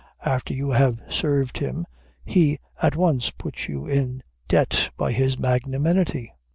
After you have served him he at once puts you in debt by his magnanimity.